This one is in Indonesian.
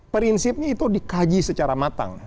prinsipnya itu dikaji secara matang